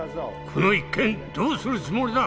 この一件どうするつもりだ。